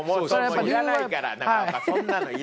いらないから中岡。